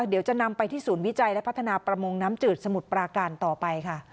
เดี๋ยวจะนำไปที่ศูนย์วิจัยและพัฒนาประมงน้ำจืดสมุทรปราการต่อไปค่ะ